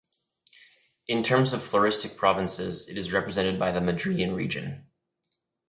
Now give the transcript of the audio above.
In terms of floristic provinces, it is represented by the Madrean Region.